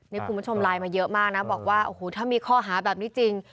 นี่คุณผู้ชมไลน์มาเยอะมากนะบอกว่าโอ้โหถ้ามีข้อหาแบบนี้จริง